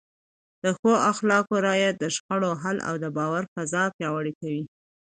د ښو اخلاقو رعایت د شخړو حل او د باور فضا پیاوړې کوي.